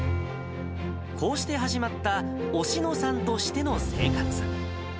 こうして始まったおしのさんとしての生活。